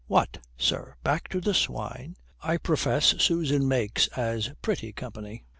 "What, sir, back to the swine? I profess Susan makes as pretty company."